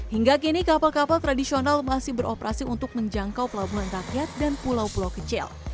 hingga kini kapal kapal tradisional masih beroperasi untuk menjangkau pelabuhan rakyat dan pulau pulau kecil